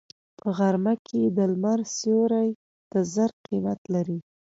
په غرمه کې د لمر سیوری د زر قیمت لري